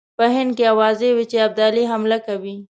په هند کې آوازې وې چې ابدالي حمله کوي.